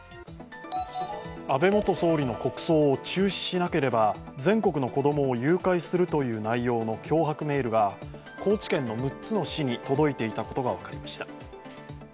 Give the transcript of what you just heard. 安倍元総理の国葬を中止しなければ全国の子供を誘拐するという内容の脅迫メールが高知県の６つの市に届いていたことが分かりました。